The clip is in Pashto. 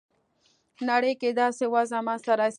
نړۍ کې داسې وضع منځته راسي.